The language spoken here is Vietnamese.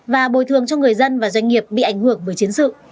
và bồi thường cho người dân và doanh nghiệp bị ảnh hưởng bởi chiến sự